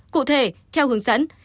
cụ thể theo hướng dẫn